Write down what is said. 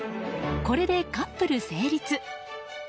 これでカップル成立。